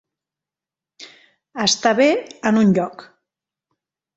Estar bé en un lloc.